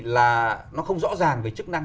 là nó không rõ ràng về chức năng